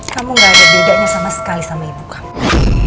kamu gak ada bedanya sama sekali sama ibu kamu